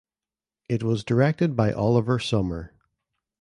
It was directed by Oliver Sommer.